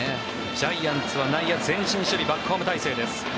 ジャイアンツは内野、前進守備バックホーム態勢です。